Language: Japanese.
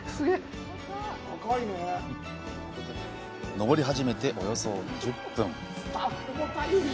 上り始めておよそ２０分。